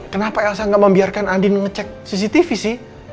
kenapa elsa nggak membiarkan andin ngecek cctv sih